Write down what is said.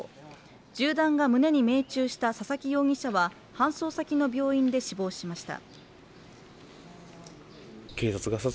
銃弾が胸に命中した佐々木容疑者は搬送先の病院で死亡しました。